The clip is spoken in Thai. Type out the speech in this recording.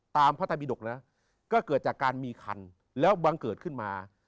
ตามพระธรรมดิกดก็เกิดจากการมีคันแล้วบังเกิดขึ้นมา